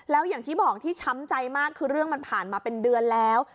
แล้วอย่างที่บอกที่ช้ำใจมากคือเรื่องมันผ่านมาเป็นเดือนแล้ว